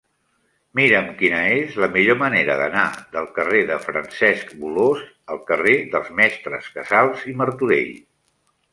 Mira'm quina és la millor manera d'anar del carrer de Francesc Bolòs al carrer dels Mestres Casals i Martorell.